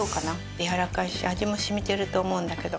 やわらかいし味も染みてると思うんだけど。